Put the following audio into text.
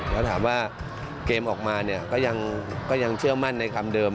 แล้วถามว่าเกมออกมาเนี่ยก็ยังเชื่อมั่นในคำเดิม